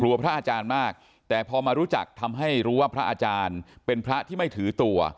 พระอาจารย์มากแต่พอมารู้จักทำให้รู้ว่าพระอาจารย์เป็นพระที่ไม่ถือตัว